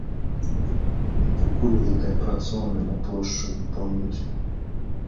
І пакуль гэтыя працоўныя на плошчу не пойдуць.